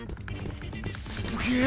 すげえ。